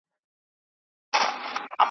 د بشر په نوم ياديږي .